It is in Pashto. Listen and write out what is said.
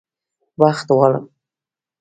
بخت غواړم